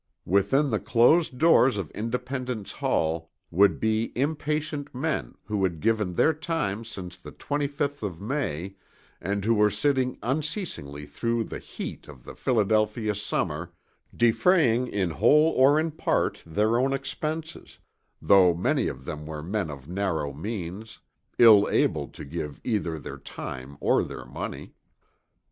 Within the closed doors of Independence Hall would be impatient men who had given their time since the 25th of May and who were sitting unceasingly through the heat of the Philadelphia summer, defraying in whole or in part their own expenses, though many of them were men of narrow means, ill able to give either their time or their money.